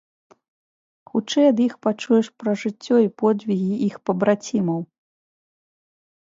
Хутчэй ад іх пачуеш пра жыццё і подзвігі іх пабрацімаў.